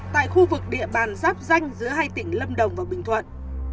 tại khu vực địa bàn giáp danh giữa hai tỉnh lâm đồng và bình thuận